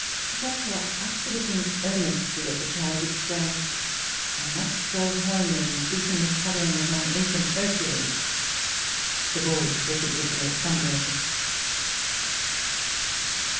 Sir Joshua, after looking earnestly at the child, exclaimed, " I must go home and deepen the colouring of my Infant Hercules." The boy was a good deal sunburnt.